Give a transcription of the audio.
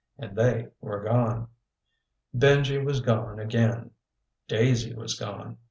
And they were gone. Benji was gone again. Daisy was gone.